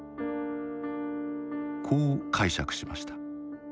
こう解釈しました。